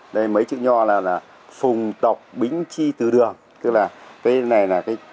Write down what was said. đây mấy chữ nhò là phùng độc bính chi từ đường